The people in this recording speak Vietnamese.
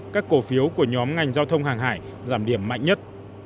các cổ phiếu của nhóm ngành giao thông hàng hải giảm điểm mạnh nhất